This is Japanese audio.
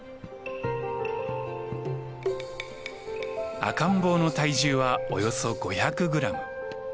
赤ん坊の体重はおよそ５００グラム。